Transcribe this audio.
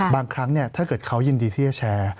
บางครั้งถ้าเกิดเขายินดีที่จะแชร์